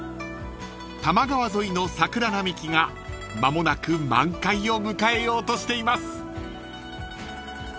［多摩川沿いの桜並木が間もなく満開を迎えようとしています］